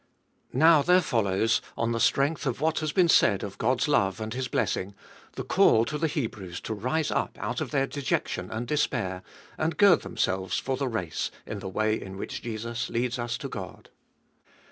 Now there follows, on the strength of what has been said of God's love and His blessing, the call to the Hebrews to rise up out of their dejection and despair, and gird themselves for the race in the way in which Jesus leads us to God.